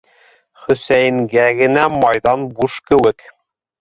Хөсәйенгә генә майҙан буш кеүек.